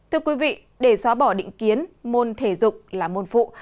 thưa quý vị để xóa bỏ định kiến môn thể dục là môn phụ